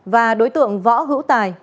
và đối tượng võ hữu tài